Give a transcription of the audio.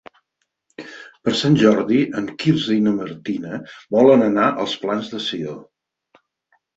Per Sant Jordi en Quirze i na Martina volen anar als Plans de Sió.